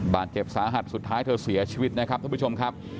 บาดเจ็บสาหัสสุดท้ายเธอเสียชีวิตนะครับท่านผู้ชมครับ